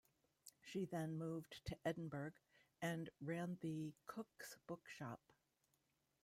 She then moved to Edinburgh and ran the Cooks Book Shop.